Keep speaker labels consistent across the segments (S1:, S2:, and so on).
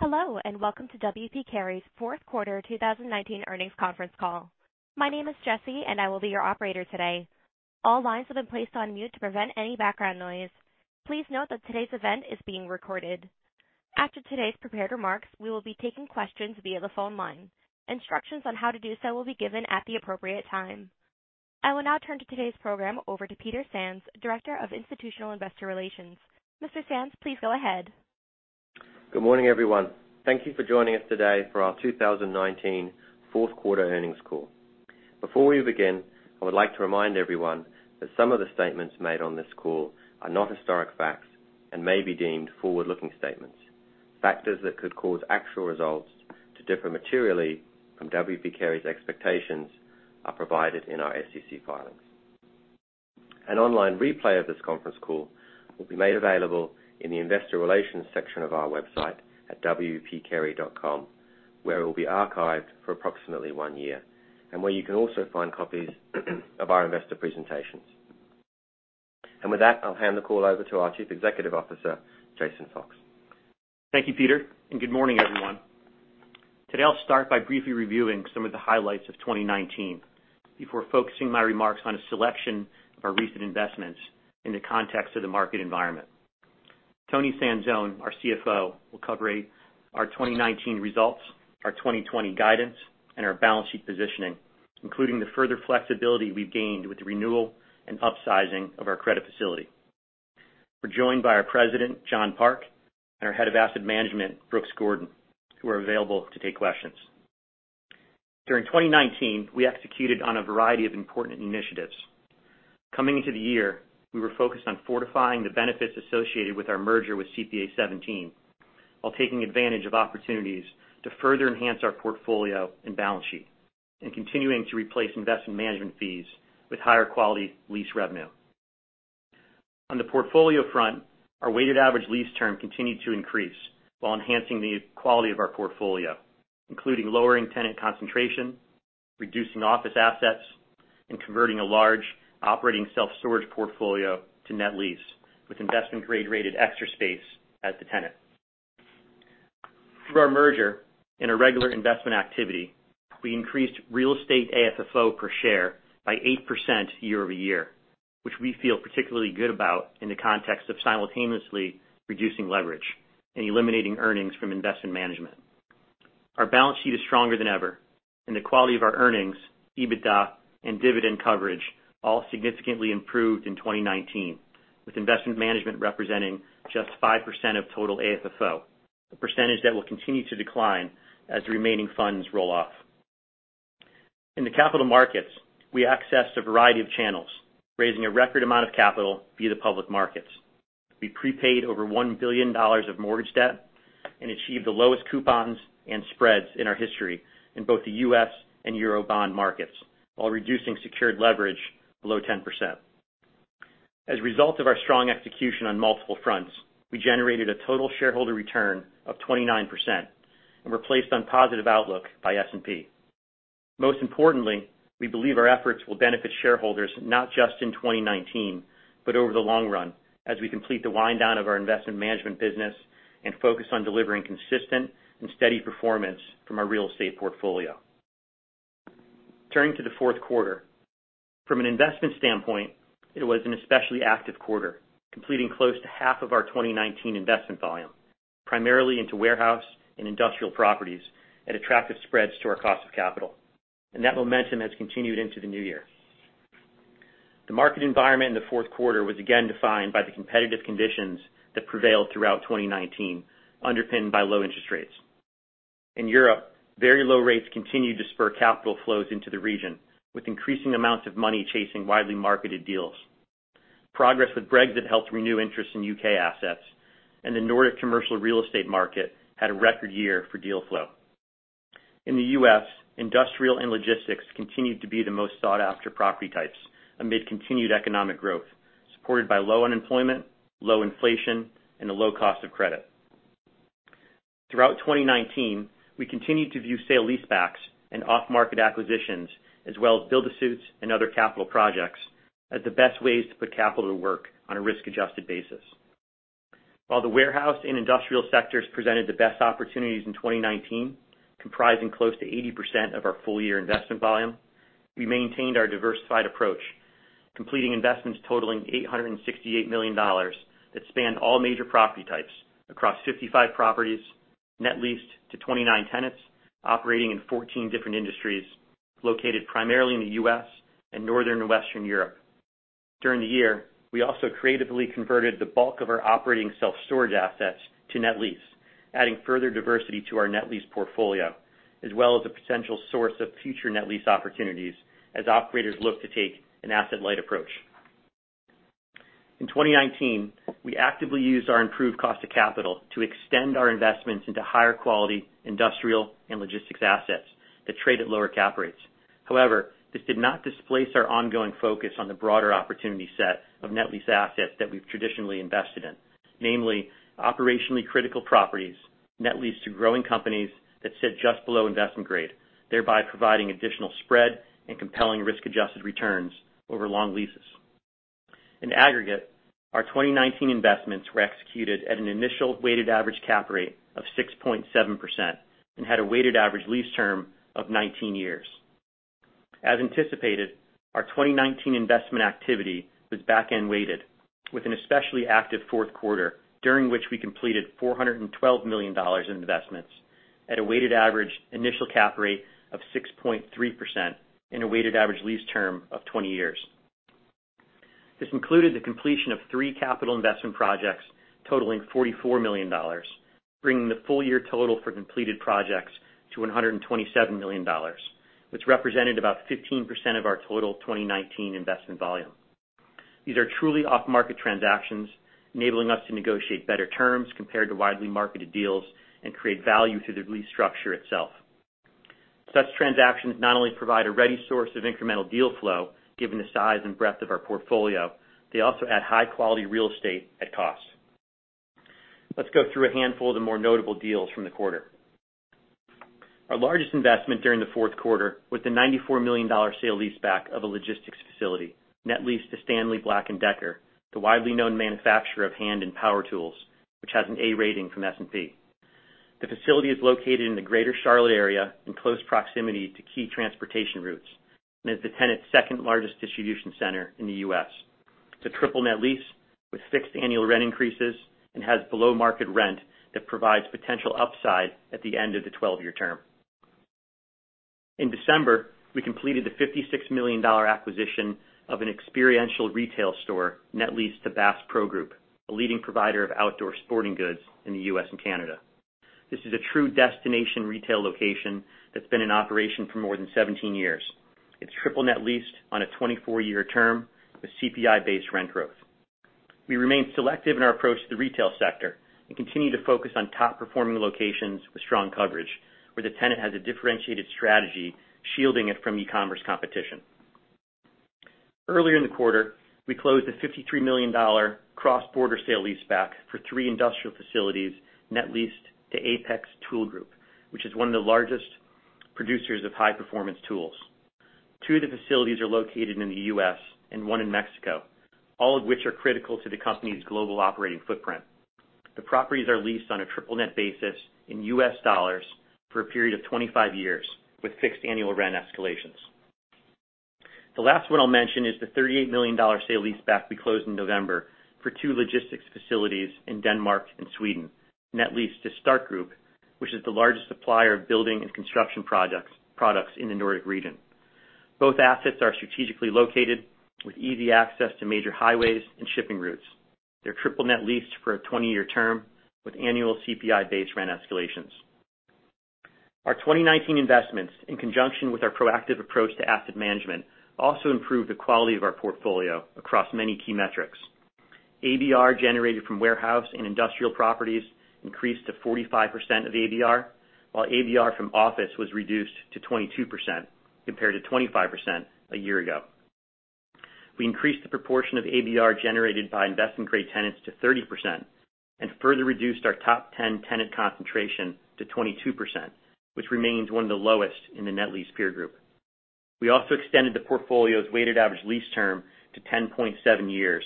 S1: Hello, welcome to W. P. Carey's fourth quarter 2019 earnings conference call. My name is Jesse, I will be your operator today. All lines have been placed on mute to prevent any background noise. Please note that today's event is being recorded. After today's prepared remarks, we will be taking questions via the phone line. Instructions on how to do so will be given at the appropriate time. I will now turn to today's program over to Peter Sands, Director of Institutional Investor Relations. Mr. Sands, please go ahead.
S2: Good morning, everyone. Thank you for joining us today for our 2019 fourth quarter earnings call. Before we begin, I would like to remind everyone that some of the statements made on this call are not historic facts and may be deemed forward-looking statements. Factors that could cause actual results to differ materially from W. P. Carey's expectations are provided in our SEC filings. An online replay of this conference call will be made available in the investor relations section of our website at wpcarey.com, where it will be archived for approximately one year, where you can also find copies of our investor presentations. With that, I'll hand the call over to our Chief Executive Officer, Jason Fox.
S3: Thank you, Peter, and good morning, everyone. Today, I'll start by briefly reviewing some of the highlights of 2019 before focusing my remarks on a selection of our recent investments in the context of the market environment. Toni Sanzone, our CFO, will cover our 2019 results, our 2020 guidance, and our balance sheet positioning, including the further flexibility we've gained with the renewal and upsizing of our credit facility. We're joined by our President, John Park, and our Head of Asset Management, Brooks Gordon, who are available to take questions. During 2019, we executed on a variety of important initiatives. Coming into the year, we were focused on fortifying the benefits associated with our merger with CPA 17 while taking advantage of opportunities to further enhance our portfolio and balance sheet and continuing to replace investment management fees with higher-quality lease revenue. On the portfolio front, our weighted average lease term continued to increase while enhancing the quality of our portfolio, including lowering tenant concentration, reducing office assets, and converting a large operating self-storage portfolio to net lease with investment-grade-rated Extra Space as the tenant. Through our merger and our regular investment activity, we increased real estate AFFO per share by 8% year-over-year, which we feel particularly good about in the context of simultaneously reducing leverage and eliminating earnings from investment management. Our balance sheet is stronger than ever, and the quality of our earnings, EBITDA, and dividend coverage all significantly improved in 2019, with investment management representing just 5% of total AFFO, a percentage that will continue to decline as the remaining funds roll off. In the capital markets, we accessed a variety of channels, raising a record amount of capital via the public markets. We prepaid over $1 billion of mortgage debt and achieved the lowest coupons and spreads in our history in both the U.S. and EUR bond markets while reducing secured leverage below 10%. As a result of our strong execution on multiple fronts, we generated a total shareholder return of 29% and were placed on positive outlook by S&P. Most importantly, we believe our efforts will benefit shareholders not just in 2019, but over the long run as we complete the wind-down of our investment management business and focus on delivering consistent and steady performance from our real estate portfolio. Turning to the fourth quarter. From an investment standpoint, it was an especially active quarter, completing close to half of our 2019 investment volume, primarily into warehouse and industrial properties at attractive spreads to our cost of capital. That momentum has continued into the new year. The market environment in the fourth quarter was again defined by the competitive conditions that prevailed throughout 2019, underpinned by low interest rates. In Europe, very low rates continued to spur capital flows into the region, with increasing amounts of money chasing widely marketed deals. Progress with Brexit helped renew interest in U.K. assets, and the Nordic commercial real estate market had a record year for deal flow. In the U.S., industrial and logistics continued to be the most sought-after property types amid continued economic growth, supported by low unemployment, low inflation, and a low cost of credit. Throughout 2019, we continued to view sale-leasebacks and off-market acquisitions, as well as build-to-suits and other capital projects, as the best ways to put capital to work on a risk-adjusted basis. While the warehouse and industrial sectors presented the best opportunities in 2019, comprising close to 80% of our full-year investment volume, we maintained our diversified approach, completing investments totaling $868 million that spanned all major property types across 55 properties, net leased to 29 tenants operating in 14 different industries located primarily in the U.S. and Northern and Western Europe. During the year, we also creatively converted the bulk of our operating self-storage assets to net lease, adding further diversity to our net lease portfolio, as well as a potential source of future net lease opportunities as operators look to take an asset-light approach. In 2019, we actively used our improved cost of capital to extend our investments into higher-quality industrial and logistics assets that trade at lower cap rates. However, this did not displace our ongoing focus on the broader opportunity set of net lease assets that we've traditionally invested in, namely operationally critical properties net leased to growing companies that sit just below investment grade, thereby providing additional spread and compelling risk-adjusted returns over long leases. In aggregate, our 2019 investments were executed at an initial weighted average cap rate of 6.7% and had a weighted average lease term of 19 years. As anticipated, our 2019 investment activity was back-end weighted with an especially active fourth quarter, during which we completed $412 million in investments at a weighted average initial cap rate of 6.3% and a weighted average lease term of 20 years. This included the completion of three capital investment projects totaling $44 million, bringing the full year total for completed projects to $127 million, which represented about 15% of our total 2019 investment volume. These are truly off-market transactions, enabling us to negotiate better terms compared to widely marketed deals and create value through the lease structure itself. Such transactions not only provide a ready source of incremental deal flow, given the size and breadth of our portfolio, they also add high-quality real estate at cost. Let's go through a handful of the more notable deals from the quarter. Our largest investment during the fourth quarter was the $94 million sale-leaseback of a logistics facility, net leased to Stanley Black & Decker, the widely known manufacturer of hand and power tools, which has an A rating from S&P. The facility is located in the greater Charlotte area in close proximity to key transportation routes and is the tenant's second-largest distribution center in the U.S. It's a triple net lease with fixed annual rent increases and has below-market rent that provides potential upside at the end of the 12-year term. In December, we completed the $56 million acquisition of an experiential retail store net leased to Bass Pro Group, a leading provider of outdoor sporting goods in the U.S. and Canada. This is a true destination retail location that's been in operation for more than 17 years. It's triple net leased on a 24-year term with CPI-based rent growth. We remain selective in our approach to the retail sector and continue to focus on top-performing locations with strong coverage, where the tenant has a differentiated strategy, shielding it from e-commerce competition. Earlier in the quarter, we closed a $53 million cross-border sale-leaseback for three industrial facilities net leased to Apex Tool Group, which is one of the largest producers of high-performance tools. Two of the facilities are located in the U.S. and one in Mexico, all of which are critical to the company's global operating footprint. The properties are leased on a triple net basis in US dollars for a period of 25 years with fixed annual rent escalations. The last one I'll mention is the $38 million sale-leaseback we closed in November for two logistics facilities in Denmark and Sweden, net leased to STARK Group, which is the largest supplier of building and construction products in the Nordic region. Both assets are strategically located with easy access to major highways and shipping routes. They're triple net leased for a 20-year term with annual CPI-based rent escalations. Our 2019 investments, in conjunction with our proactive approach to asset management, also improved the quality of our portfolio across many key metrics. ABR generated from warehouse and industrial properties increased to 45% of ABR, while ABR from office was reduced to 22% compared to 25% a year ago. We increased the proportion of ABR generated by investment-grade tenants to 30% and further reduced our top ten tenant concentration to 22%, which remains one of the lowest in the net lease peer group. We also extended the portfolio's weighted average lease term to 10.7 years,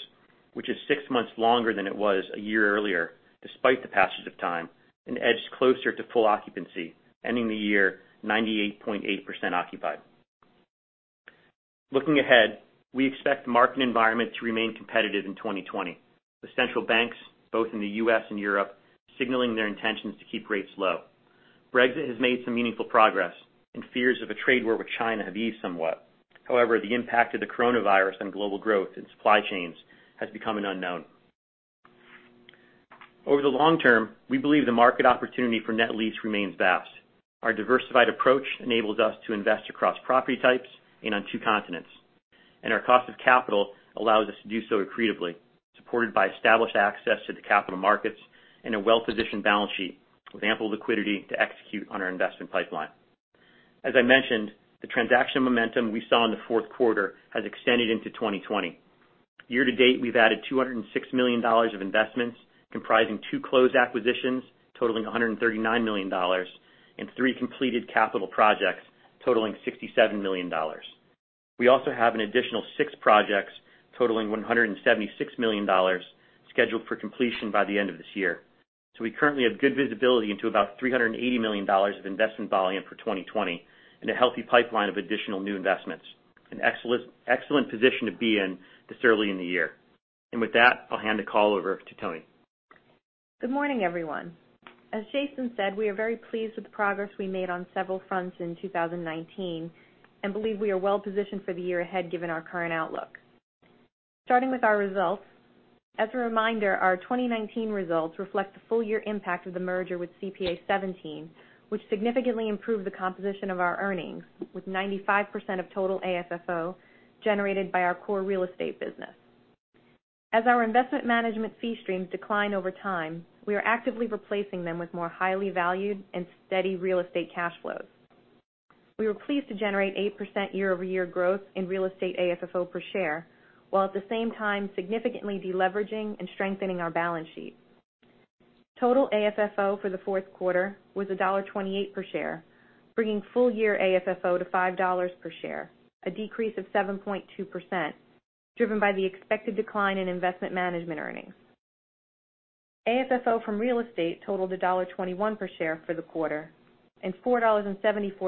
S3: which is 6 months longer than it was a year earlier, despite the passage of time, and edged closer to full occupancy, ending the year 98.8% occupied. Looking ahead, we expect the market environment to remain competitive in 2020, with central banks both in the U.S. and Europe signaling their intentions to keep rates low. Brexit has made some meaningful progress and fears of a trade war with China have eased somewhat. The impact of the coronavirus on global growth and supply chains has become an unknown. Over the long term, we believe the market opportunity for net lease remains vast. Our diversified approach enables us to invest across property types and on two continents, and our cost of capital allows us to do so accretively, supported by established access to the capital markets and a well-positioned balance sheet with ample liquidity to execute on our investment pipeline. As I mentioned, the transaction momentum we saw in the fourth quarter has extended into 2020. Year to date, we've added $206 million of investments, comprising two closed acquisitions totaling $139 million and three completed capital projects totaling $67 million. We also have an additional six projects totaling $176 million scheduled for completion by the end of this year. We currently have good visibility into about $380 million of investment volume for 2020 and a healthy pipeline of additional new investments, an excellent position to be in this early in the year. With that, I'll hand the call over to Toni.
S4: Good morning, everyone. As Jason said, we are very pleased with the progress we made on several fronts in 2019 and believe we are well positioned for the year ahead given our current outlook. Starting with our results. As a reminder, our 2019 results reflect the full year impact of the merger with CPA 17, which significantly improved the composition of our earnings with 95% of total AFFO generated by our core real estate business. As our investment management fee streams decline over time, we are actively replacing them with more highly valued and steady real estate cash flows. We were pleased to generate 8% year-over-year growth in real estate AFFO per share, while at the same time significantly deleveraging and strengthening our balance sheet. Total AFFO for the fourth quarter was $1.28 per share, bringing full year AFFO to $5 per share, a decrease of 7.2%, driven by the expected decline in investment management earnings. AFFO from real estate totaled $1.21 per share for the quarter and $4.74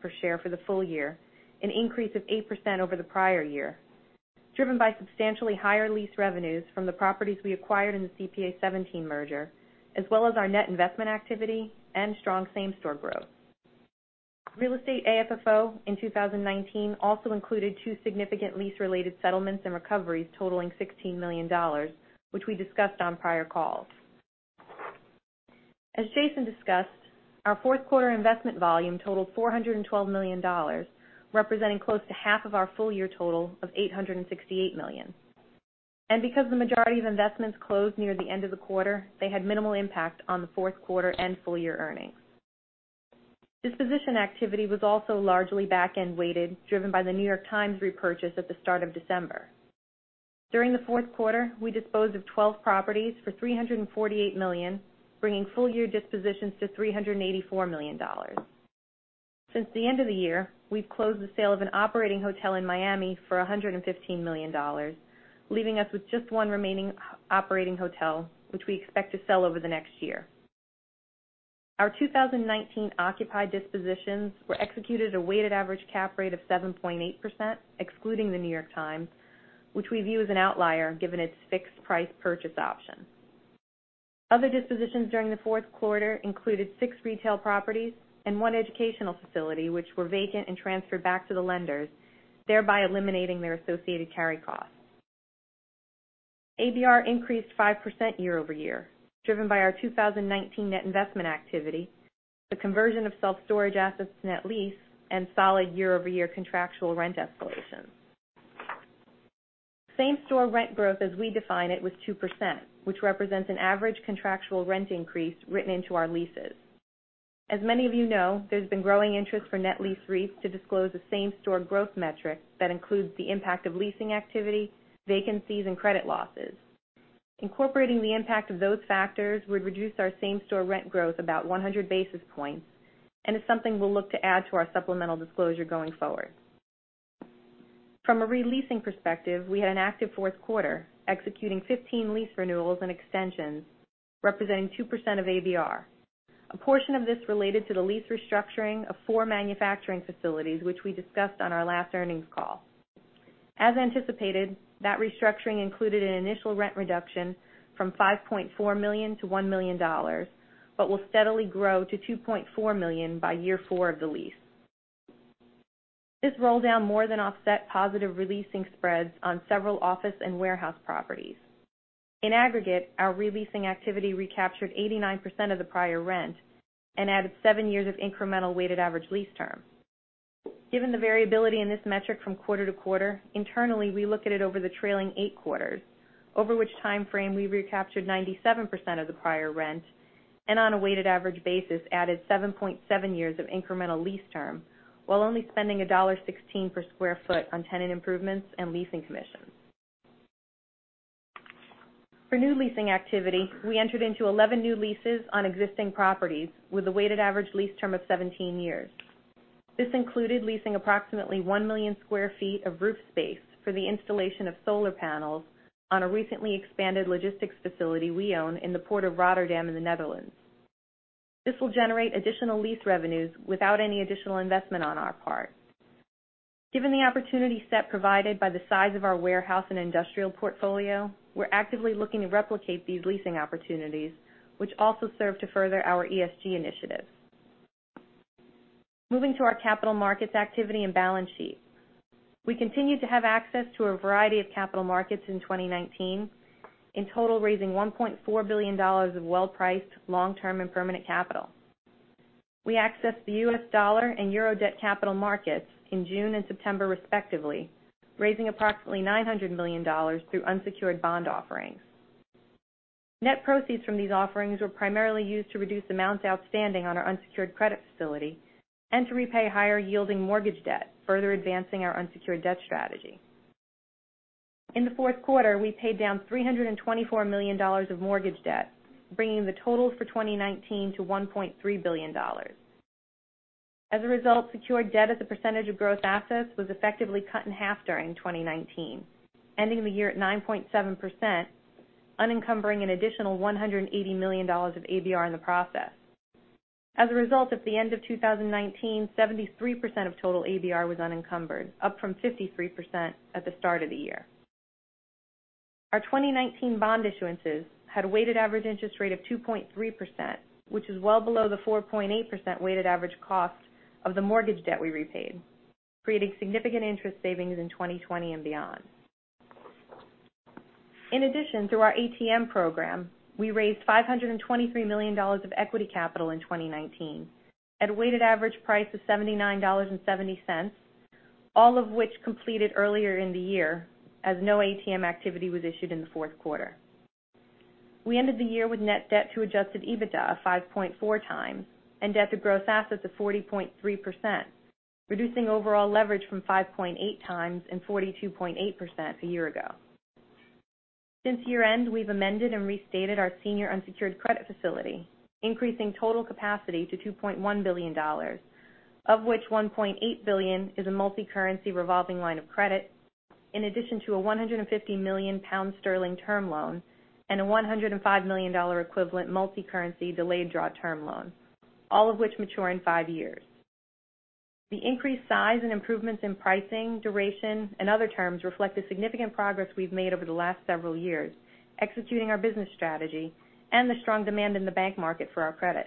S4: per share for the full year, an increase of 8% over the prior year, driven by substantially higher lease revenues from the properties we acquired in the CPA 17 merger, as well as our net investment activity and strong same-store growth. Real estate AFFO in 2019 also included two significant lease-related settlements and recoveries totaling $16 million, which we discussed on prior calls. As Jason discussed, our fourth quarter investment volume totaled $412 million, representing close to half of our full-year total of $868 million. Because the majority of investments closed near the end of the quarter, they had minimal impact on the fourth quarter and full year earnings. Disposition activity was also largely back-end weighted, driven by The New York Times repurchase at the start of December. During the fourth quarter, we disposed of 12 properties for $348 million, bringing full year dispositions to $384 million. Since the end of the year, we've closed the sale of an operating hotel in Miami for $115 million, leaving us with just one remaining operating hotel, which we expect to sell over the next year. Our 2019 occupied dispositions were executed at a weighted average cap rate of 7.8%, excluding The New York Times, which we view as an outlier given its fixed price purchase option. Other dispositions during the fourth quarter included six retail properties and one educational facility which were vacant and transferred back to the lenders, thereby eliminating their associated carry costs. ABR increased 5% year-over-year, driven by our 2019 net investment activity, the conversion of self-storage assets to net lease, and solid year-over-year contractual rent escalations. Same-store rent growth as we define it was 2%, which represents an average contractual rent increase written into our leases. As many of you know, there's been growing interest for net lease REITs to disclose a same-store growth metric that includes the impact of leasing activity, vacancies, and credit losses. Incorporating the impact of those factors would reduce our same-store rent growth about 100 basis points, is something we'll look to add to our supplemental disclosure going forward. From a re-leasing perspective, we had an active fourth quarter, executing 15 lease renewals and extensions representing 2% of ABR. A portion of this related to the lease restructuring of four manufacturing facilities, which we discussed on our last earnings call. As anticipated, that restructuring included an initial rent reduction from $5.4 million to $1 million, will steadily grow to $2.4 million by year four of the lease. This roll down more than offset positive re-leasing spreads on several office and warehouse properties. In aggregate, our re-leasing activity recaptured 89% of the prior rent and added seven years of incremental weighted average lease term. Given the variability in this metric from quarter to quarter, internally, we look at it over the trailing eight quarters, over which time frame we recaptured 97% of the prior rent, and on a weighted average basis, added 7.7 years of incremental lease term, while only spending $1.16 per square foot on tenant improvements and leasing commissions. For new leasing activity, we entered into 11 new leases on existing properties with a weighted average lease term of 17 years. This included leasing approximately one million square feet of roof space for the installation of solar panels on a recently expanded logistics facility we own in the Port of Rotterdam in the Netherlands. This will generate additional lease revenues without any additional investment on our part. Given the opportunity set provided by the size of our warehouse and industrial portfolio, we're actively looking to replicate these leasing opportunities, which also serve to further our ESG initiative. Moving to our capital markets activity and balance sheet. We continued to have access to a variety of capital markets in 2019, in total raising $1.4 billion of well-priced long-term and permanent capital. We accessed the US dollar and euro debt capital markets in June and September respectively, raising approximately $900 million through unsecured bond offerings. Net proceeds from these offerings were primarily used to reduce amounts outstanding on our unsecured credit facility and to repay higher-yielding mortgage debt, further advancing our unsecured debt strategy. In the fourth quarter, we paid down $324 million of mortgage debt, bringing the totals for 2019 to $1.3 billion. As a result, secured debt as a percentage of gross assets was effectively cut in half during 2019, ending the year at 9.7%, unencumbering an additional $180 million of ABR in the process. As a result, at the end of 2019, 73% of total ABR was unencumbered, up from 53% at the start of the year. Our 2019 bond issuances had a weighted average interest rate of 2.3%, which is well below the 4.8% weighted average cost of the mortgage debt we repaid, creating significant interest savings in 2020 and beyond. In addition, through our ATM program, we raised $523 million of equity capital in 2019 at a weighted average price of $79.70, all of which completed earlier in the year as no ATM activity was issued in the fourth quarter. We ended the year with net debt to adjusted EBITDA of 5.4 times and debt to gross assets of 40.3%. Reducing overall leverage from 5.8 times and 42.8% a year ago. Since year-end, we've amended and restated our senior unsecured credit facility, increasing total capacity to $2.1 billion, of which $1.8 billion is a multicurrency revolving line of credit, in addition to a 150 million pound term loan, and a $105 million equivalent multicurrency delayed draw term loan, all of which mature in five years. The increased size and improvements in pricing, duration, and other terms reflect the significant progress we've made over the last several years executing our business strategy and the strong demand in the bank market for our credit.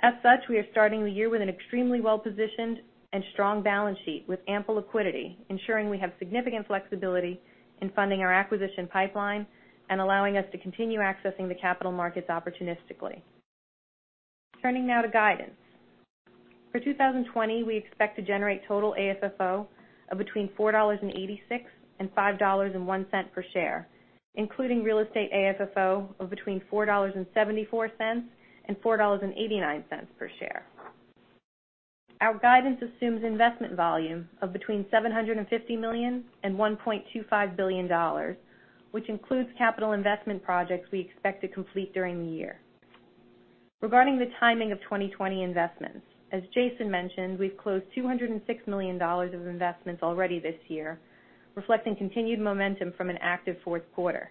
S4: As such, we are starting the year with an extremely well-positioned and strong balance sheet with ample liquidity, ensuring we have significant flexibility in funding our acquisition pipeline and allowing us to continue accessing the capital markets opportunistically. Turning now to guidance. For 2020, we expect to generate total AFFO of between $4.86 and $5.01 per share, including real estate AFFO of between $4.74 and $4.89 per share. Our guidance assumes investment volume of between $750 million and $1.25 billion, which includes capital investment projects we expect to complete during the year. Regarding the timing of 2020 investments, as Jason mentioned, we've closed $206 million of investments already this year, reflecting continued momentum from an active fourth quarter.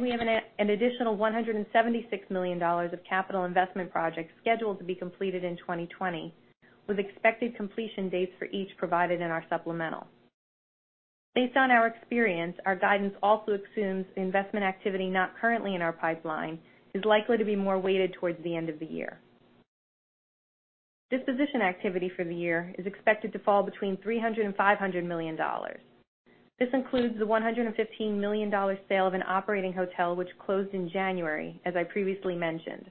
S4: We have an additional $176 million of capital investment projects scheduled to be completed in 2020, with expected completion dates for each provided in our supplemental. Based on our experience, our guidance also assumes the investment activity not currently in our pipeline is likely to be more weighted towards the end of the year. Disposition activity for the year is expected to fall between $300 million and $500 million. This includes the $115 million sale of an operating hotel, which closed in January, as I previously mentioned.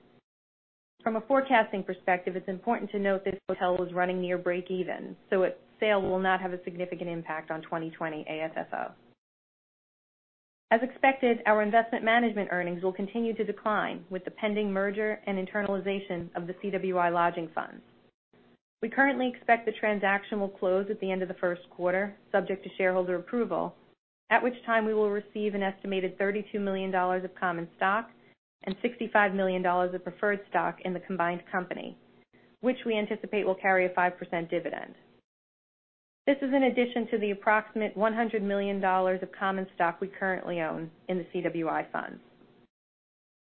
S4: From a forecasting perspective, it's important to note this hotel was running near breakeven, so its sale will not have a significant impact on 2020 AFFO. As expected, our investment management earnings will continue to decline with the pending merger and internalization of the CWI Lodging Funds. We currently expect the transaction will close at the end of the first quarter, subject to shareholder approval, at which time we will receive an estimated $32 million of common stock and $65 million of preferred stock in the combined company, which we anticipate will carry a 5% dividend. This is in addition to the approximate $100 million of common stock we currently own in the CWI Fund.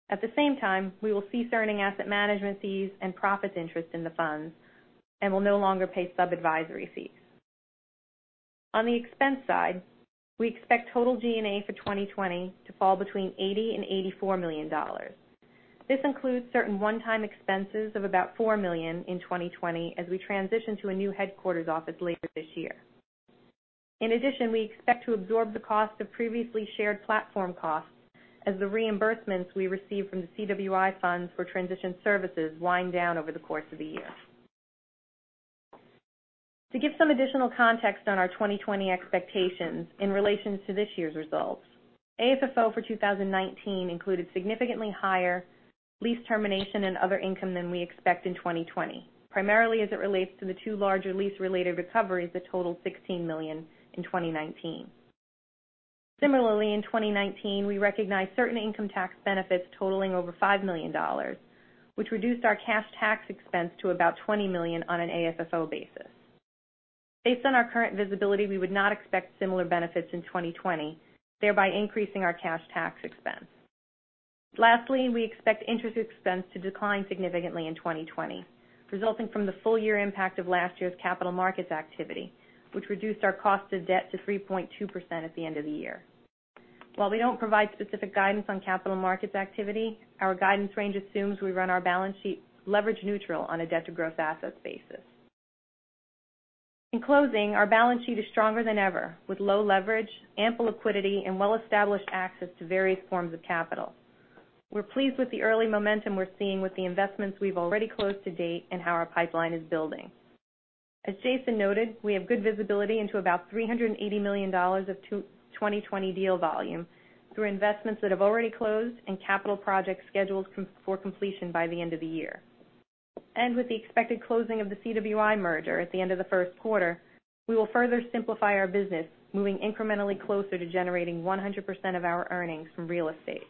S4: At the same time, we will cease earning asset management fees and profits interest in the funds and will no longer pay sub-advisory fees. On the expense side, we expect total G&A for 2020 to fall between $80 and $84 million. This includes certain one-time expenses of about $4 million in 2020 as we transition to a new headquarters office later this year. In addition, we expect to absorb the cost of previously shared platform costs as the reimbursements we receive from the CWI Funds for transition services wind down over the course of the year. To give some additional context on our 2020 expectations in relations to this year's results, AFFO for 2019 included significantly higher lease termination and other income than we expect in 2020, primarily as it relates to the two larger lease-related recoveries that totaled $16 million in 2019. Similarly, in 2019, we recognized certain income tax benefits totaling over $5 million, which reduced our cash tax expense to about $20 million on an AFFO basis. Based on our current visibility, we would not expect similar benefits in 2020, thereby increasing our cash tax expense. Lastly, we expect interest expense to decline significantly in 2020, resulting from the full year impact of last year's capital markets activity, which reduced our cost of debt to 3.2% at the end of the year. While we don't provide specific guidance on capital markets activity, our guidance range assumes we run our balance sheet leverage neutral on a debt-to-gross-assets basis. In closing, our balance sheet is stronger than ever, with low leverage, ample liquidity, and well-established access to various forms of capital. We're pleased with the early momentum we're seeing with the investments we've already closed to date and how our pipeline is building. As Jason noted, we have good visibility into about $380 million of 2020 deal volume through investments that have already closed and capital projects scheduled for completion by the end of the year. With the expected closing of the CWI merger at the end of the first quarter, we will further simplify our business, moving incrementally closer to generating 100% of our earnings from real estate.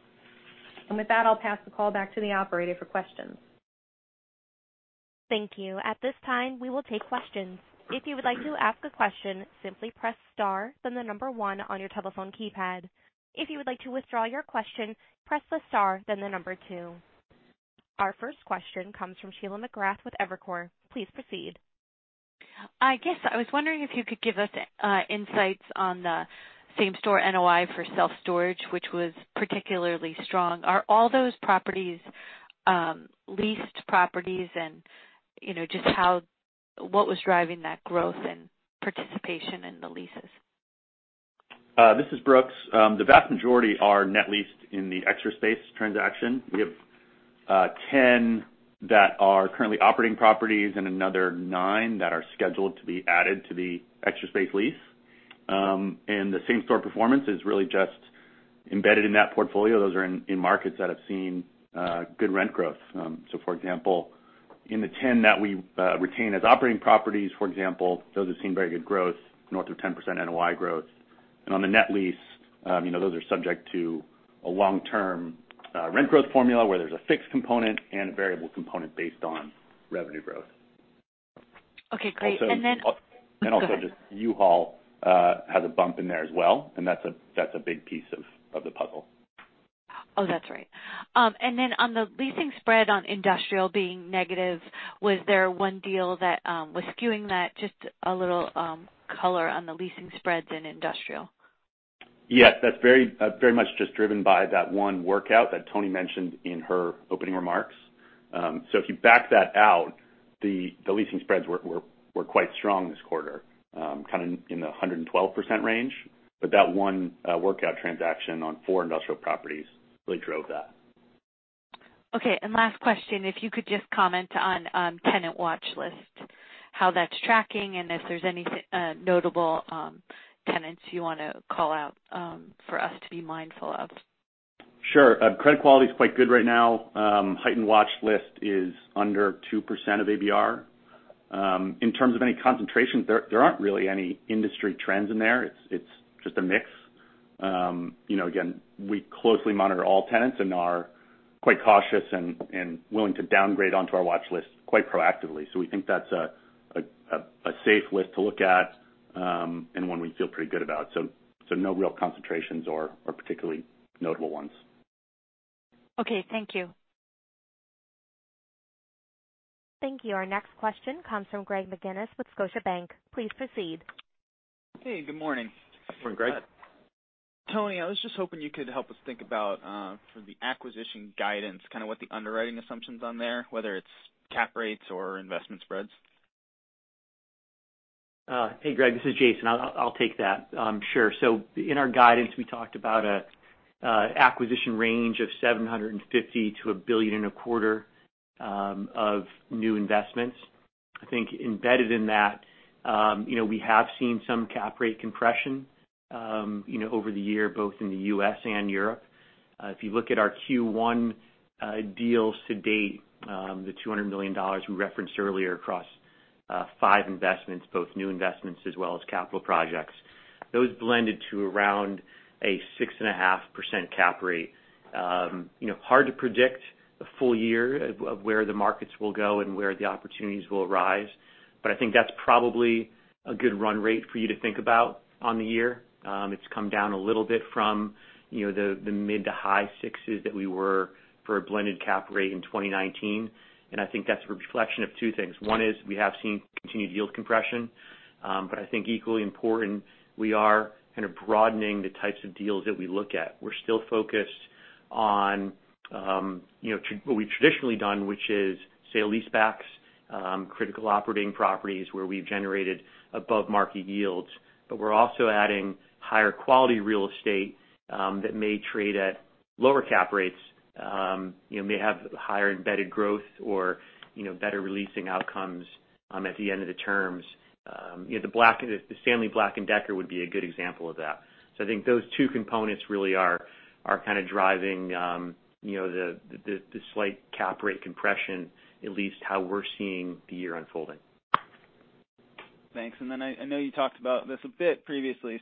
S4: With that, I'll pass the call back to the operator for questions.
S1: Thank you. At this time, we will take questions. If you would like to ask a question, simply press star, then the number 1 on your telephone keypad. If you would like to withdraw your question, press the Star, then the number two. Our first question comes from Sheila McGrath with Evercore. Please proceed.
S5: I guess I was wondering if you could give us insights on the same-store NOI for self-storage, which was particularly strong. Are all those properties leased properties? Just what was driving that growth and participation in the leases?
S6: This is Brooks. The vast majority are net leased in the Extra Space transaction. We have 10 that are currently operating properties and another nine that are scheduled to be added to the Extra Space lease. The same-store performance is really just embedded in that portfolio. Those are in markets that have seen good rent growth. For example, in the 10 that we retain as operating properties, for example, those have seen very good growth, north of 10% NOI growth. On the net lease, those are subject to a long-term rent growth formula, where there's a fixed component and a variable component based on revenue growth.
S5: Okay, great.
S6: Also just U-Haul has a bump in there as well, and that's a big piece of the puzzle.
S5: Oh, that's right. On the leasing spread on industrial being negative, was there one deal that was skewing that? Just a little color on the leasing spreads in industrial.
S6: That's very much just driven by that one workout that Toni mentioned in her opening remarks. If you back that out, the leasing spreads were quite strong this quarter, in the 112% range. That one workout transaction on four industrial properties really drove that.
S5: Okay. Last question, if you could just comment on tenant watch list, how that's tracking, and if there's any notable tenants you want to call out for us to be mindful of.
S6: Sure. Credit quality's quite good right now. Heightened watch list is under 2% of ABR. In terms of any concentration, there aren't really any industry trends in there. It's just a mix. Again, we closely monitor all tenants and are quite cautious and willing to downgrade onto our watch list quite proactively. We think that's a safe list to look at, and one we feel pretty good about. No real concentrations or particularly notable ones.
S5: Okay. Thank you.
S1: Thank you. Our next question comes from Greg McGinniss with Scotiabank. Please proceed.
S7: Hey, good morning.
S6: Morning, Greg.
S7: Toni, I was just hoping you could help us think about, for the acquisition guidance, kind of what the underwriting assumptions on there, whether it's cap rates or investment spreads.
S3: Hey, Greg, this is Jason. I'll take that. Sure. In our guidance, we talked about an acquisition range of $750 million to a billion and a quarter of new investments. I think embedded in that, we have seen some cap rate compression over the year, both in the U.S. and Europe. If you look at our Q1 deals to date, the $200 million we referenced earlier across five investments, both new investments as well as capital projects, those blended to around a 6.5% cap rate. Hard to predict a full year of where the markets will go and where the opportunities will arise, but I think that's probably a good run rate for you to think about on the year. It's come down a little bit from the mid to high 6s that we were for a blended cap rate in 2019. I think that's a reflection of two things. One is we have seen continued yield compression. I think equally important, we are kind of broadening the types of deals that we look at. We're still focused on what we've traditionally done, which is sale-leasebacks, critical operating properties where we've generated above-market yields. We're also adding higher-quality real estate that may trade at lower cap rates, may have higher embedded growth or better leasing outcomes at the end of the terms. The Stanley Black & Decker would be a good example of that. I think those two components really are kind of driving the slight cap rate compression, at least how we're seeing the year unfolding.
S7: Thanks. I know you talked about this a bit previously.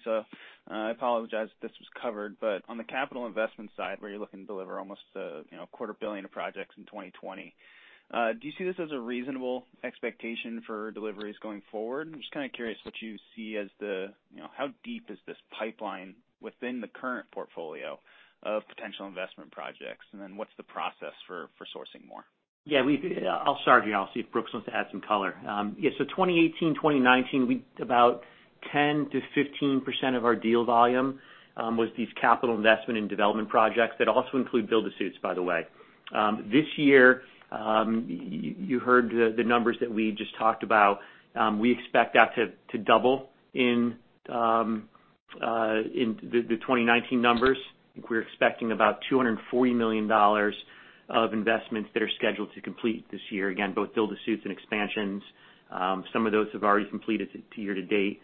S7: I apologize if this was covered. On the capital investment side, where you're looking to deliver almost a quarter billion of projects in 2020, do you see this as a reasonable expectation for deliveries going forward? I'm just kind of curious what you see as how deep is this pipeline within the current portfolio of potential investment projects. What's the process for sourcing more?
S3: I'll start here. I'll see if Brooks wants to add some color. 2018, 2019, about 10%-15% of our deal volume was these capital investment and development projects. That also include build-to-suits, by the way. This year, you heard the numbers that we just talked about. We expect that to double in the 2019 numbers. I think we're expecting about $240 million of investments that are scheduled to complete this year. Again, both build-to-suits and expansions. Some of those have already completed to year-to-date.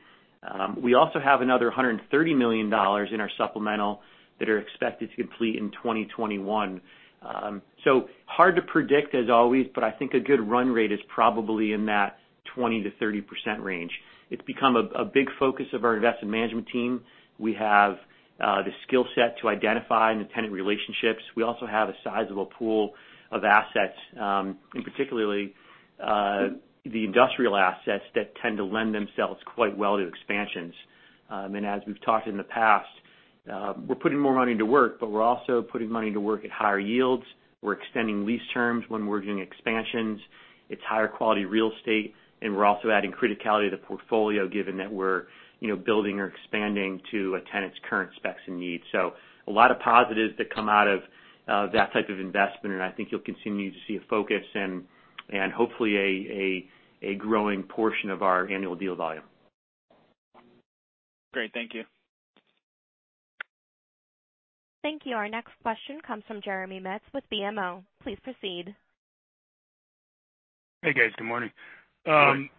S3: We also have another $130 million in our supplemental that are expected to complete in 2021. Hard to predict, as always, but I think a good run rate is probably in that 20%-30% range. It's become a big focus of our investment management team. We have the skill set to identify and the tenant relationships. We also have a sizable pool of assets, and particularly the industrial assets that tend to lend themselves quite well to expansions. As we've talked in the past, we're putting more money to work, but we're also putting money to work at higher yields. We're extending lease terms when we're doing expansions. It's higher-quality real estate. We're also adding criticality to the portfolio, given that we're building or expanding to a tenant's current specs and needs. A lot of positives that come out of that type of investment, and I think you'll continue to see a focus and hopefully a growing portion of our annual deal volume.
S7: Great. Thank you.
S1: Thank you. Our next question comes from Jeremy Metz with BMO. Please proceed.
S8: Hey, guys. Good morning.
S6: Good morning.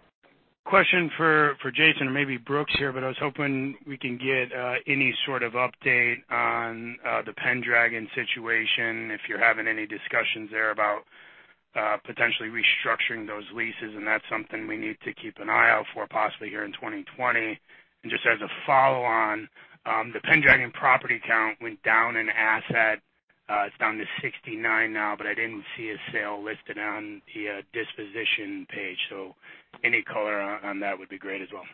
S8: Question for Jason or maybe Brooks here, but I was hoping we can get any sort of update on the Pendragon situation, if you're having any discussions there about potentially restructuring those leases, and that's something we need to keep an eye out for, possibly here in 2020. Just as a follow-on, the Pendragon property count went down in asset. It's down to 69 now, but I didn't see a sale listed on the disposition page, so any color on that would be great as well.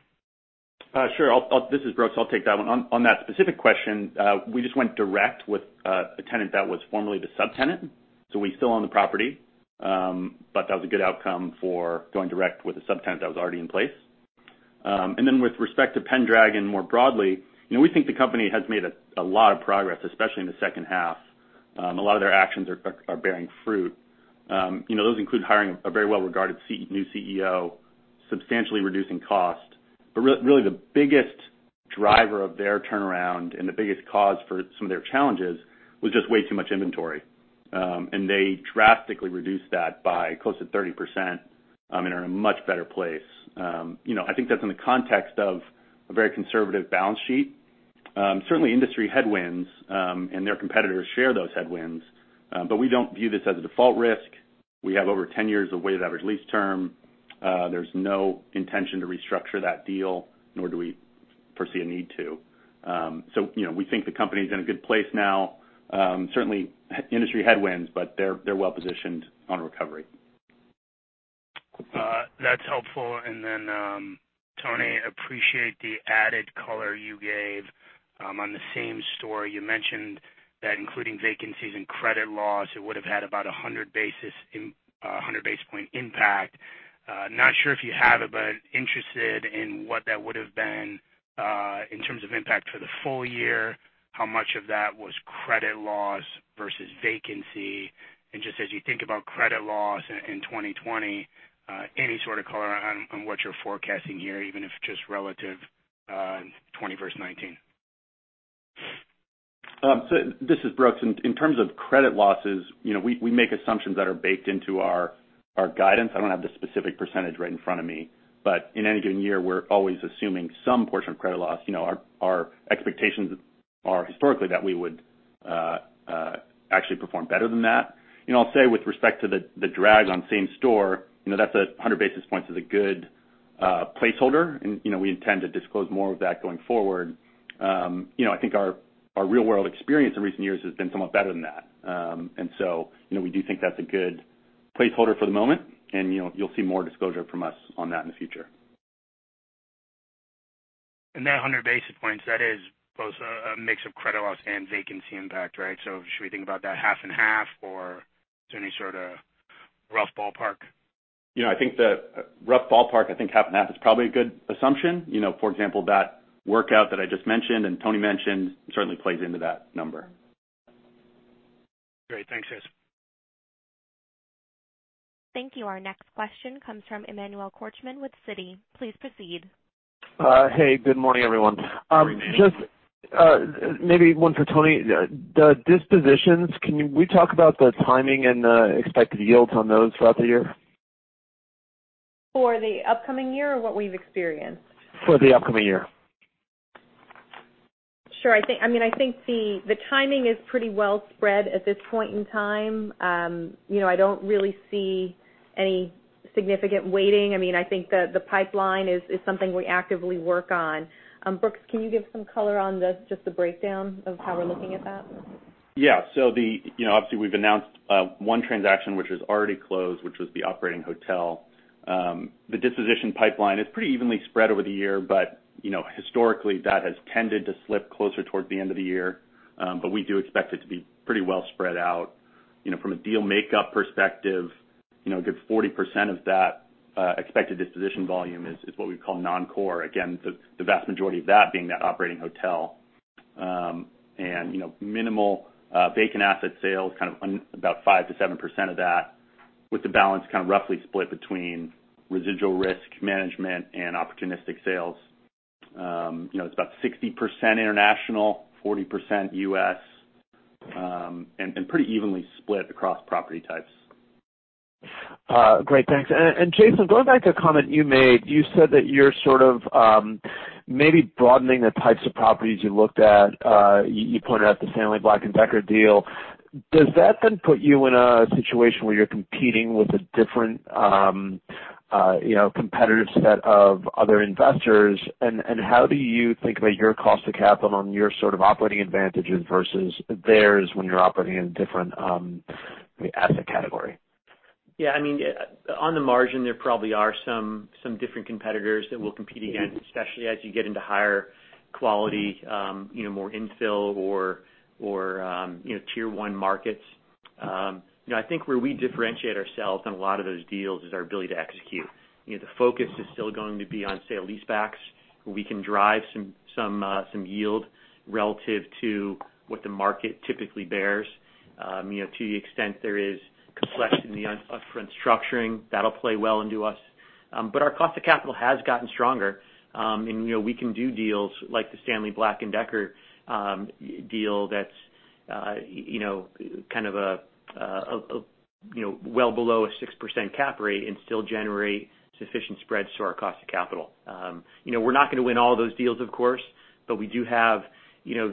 S6: Sure. This is Brooks, I'll take that one. On that specific question, we just went direct with a tenant that was formerly the subtenant. We still own the property. That was a good outcome for going direct with a subtenant that was already in place. With respect to Pendragon more broadly, we think the company has made a lot of progress, especially in the second half. A lot of their actions are bearing fruit. Those include hiring a very well-regarded new CEO, substantially reducing cost. Really the biggest driver of their turnaround and the biggest cause for some of their challenges was just way too much inventory. They drastically reduced that by close to 30%, and are in a much better place. I think that's in the context of a very conservative balance sheet. Certainly industry headwinds, their competitors share those headwinds. We don't view this as a default risk. We have over 10 years of weighted average lease term. There's no intention to restructure that deal, nor do we foresee a need to. We think the company's in a good place now. Certainly industry headwinds, but they're well-positioned on recovery.
S8: That's helpful. Toni, appreciate the added color you gave on the same story. You mentioned that including vacancies and credit loss, it would've had about 100 basis point impact. Not sure if you have it, but interested in what that would've been, in terms of impact for the full year, how much of that was credit loss versus vacancy. Just as you think about credit loss in 2020, any sort of color on what you're forecasting here, even if just relative 20 versus 19.
S6: This is Brooks. In terms of credit losses, we make assumptions that are baked into our guidance. I don't have the specific percentage right in front of me. In any given year, we're always assuming some portion of credit loss. Our expectations are historically that we would actually perform better than that. I'll say with respect to the drag on same-store, that's a 100 basis points is a good placeholder and we intend to disclose more of that going forward. I think our real-world experience in recent years has been somewhat better than that. We do think that's a good placeholder for the moment, and you'll see more disclosure from us on that in the future.
S8: That 100 basis points, that is both a mix of credit loss and vacancy impact, right? Should we think about that half and half, or is there any sort of rough ballpark?
S6: Yeah. Rough ballpark, I think half and half is probably a good assumption. For example, that workout that I just mentioned and Toni mentioned certainly plays into that number.
S8: Great. Thanks, guys.
S1: Thank you. Our next question comes from Emmanuel Korchman with Citi. Please proceed.
S9: Hey, good morning, everyone.
S6: Morning, Emmanuel.
S9: Just maybe one for Toni. The dispositions, can we talk about the timing and the expected yields on those throughout the year?
S4: For the upcoming year or what we've experienced?
S9: For the upcoming year.
S4: Sure. I think the timing is pretty well spread at this point in time. I don't really see any significant waiting. I think the pipeline is something we actively work on. Brooks, can you give some color on just the breakdown of how we're looking at that?
S6: Obviously we've announced one transaction which has already closed, which was the operating hotel. The disposition pipeline is pretty evenly spread over the year, historically, that has tended to slip closer towards the end of the year. We do expect it to be pretty well spread out. From a deal makeup perspective, a good 40% of that expected disposition volume is what we call non-core. Again, the vast majority of that being that operating hotel. Minimal vacant asset sales, kind of about 5%-7% of that, with the balance kind of roughly split between residual risk management and opportunistic sales. It's about 60% international, 40% U.S., pretty evenly split across property types.
S9: Great, thanks. Jason, going back to a comment you made, you said that you're sort of maybe broadening the types of properties you looked at. You pointed out the Stanley Black & Decker deal. Does that then put you in a situation where you're competing with a different competitive set of other investors? How do you think about your cost of capital and your sort of operating advantages versus theirs when you're operating in a different asset category?
S3: Yeah. On the margin, there probably are some different competitors that we'll compete against, especially as you get into higher quality, more infill or tier one markets. I think where we differentiate ourselves on a lot of those deals is our ability to execute. The focus is still going to be on sale-leasebacks, where we can drive some yield relative to what the market typically bears. To the extent there is complexity in the upfront structuring, that'll play well into us. Our cost of capital has gotten stronger. We can do deals like the Stanley Black & Decker deal that's well below a 6% cap rate and still generate sufficient spreads to our cost of capital. We're not going to win all those deals, of course, but we do have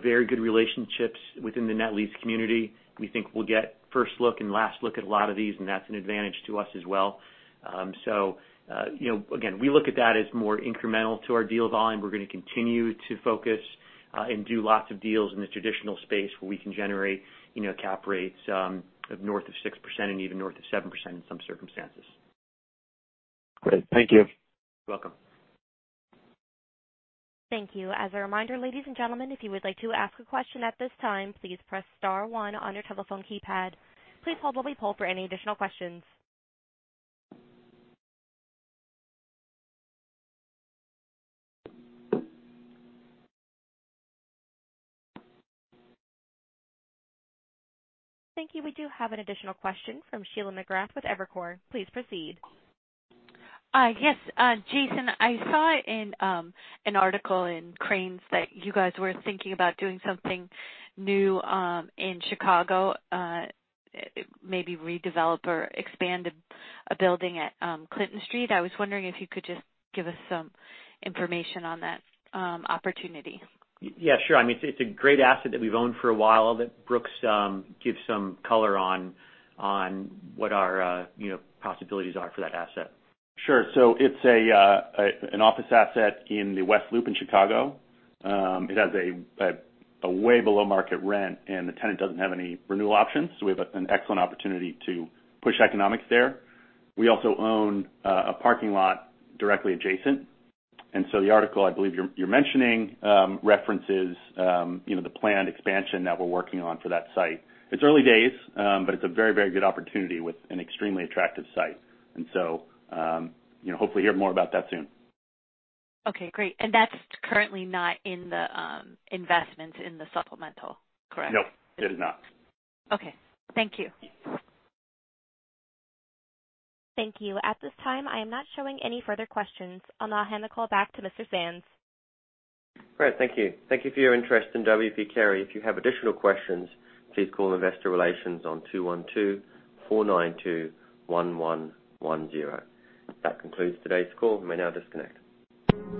S3: very good relationships within the net lease community. We think we'll get first look and last look at a lot of these, and that's an advantage to us as well. Again, we look at that as more incremental to our deal volume. We're going to continue to focus and do lots of deals in the traditional space where we can generate cap rates of north of 6% and even north of 7% in some circumstances.
S9: Great. Thank you.
S3: You're welcome.
S1: Thank you. As a reminder, ladies and gentlemen, if you would like to ask a question at this time, please press Star one on your telephone keypad. Please hold while we poll for any additional questions. Thank you. We do have an additional question from Sheila McGrath with Evercore. Please proceed.
S5: Yes. Jason, I saw in an article in Crain's that you guys were thinking about doing something new in Chicago, maybe redevelop or expand a building at Clinton Street. I was wondering if you could just give us some information on that opportunity.
S3: Yeah, sure. It's a great asset that we've owned for a while. I'll let Brooks give some color on what our possibilities are for that asset.
S6: Sure. It's an office asset in the West Loop in Chicago. It has a way below market rent, and the tenant doesn't have any renewal options, so we have an excellent opportunity to push economics there. We also own a parking lot directly adjacent, the article, I believe you're mentioning, references the planned expansion that we're working on for that site. It's early days, but it's a very good opportunity with an extremely attractive site. Hopefully hear more about that soon.
S5: Okay, great. That's currently not in the investments in the supplemental, correct?
S6: No, it is not.
S5: Okay. Thank you.
S1: Thank you. At this time, I am not showing any further questions. I'll now hand the call back to Mr. Sands.
S2: Great. Thank you. Thank you for your interest in W. P. Carey. If you have additional questions, please call investor relations on 212 492 1110. That concludes today's call. You may now disconnect.